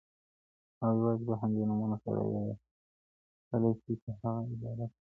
او يوازي په همدي نومونوسره ياديدلى سي چې هغه عبارت له